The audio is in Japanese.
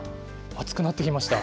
熱くなってきました。